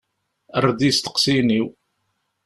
Err-d i yisteqsiyen-iw.